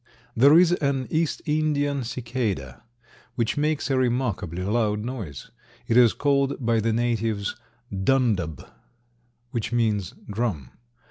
There is an East Indian cicada which makes a remarkably loud noise. It is called by the natives "dundub," which means drum.